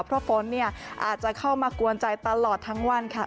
เพราะฝนอาจจะเข้ามากวนใจตลอดทั้งวันค่ะ